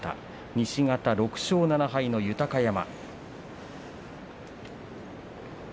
西方、６勝７敗の豊山。